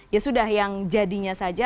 ya sudah yang jadinya saja